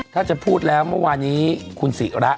ถ้าจะพูดแล้วเมื่อวานี้คุณศิระ